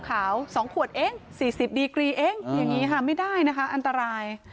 อย่างนี้ไม่ได้นะคะอันตราย